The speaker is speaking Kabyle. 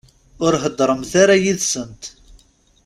Ur heddṛemt ara yid-sent.